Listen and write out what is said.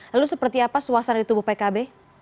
lalu seperti apa suasana di tubuh pkb